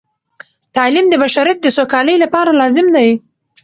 تعلیم د بشریت د سوکالۍ لپاره لازم دی.